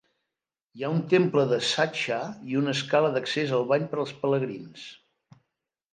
Hi ha un temple de Sastha i un escala d'accés al bany per als pelegrins.